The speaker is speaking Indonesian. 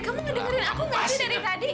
kamu ngedengerin aku gak sih dari tadi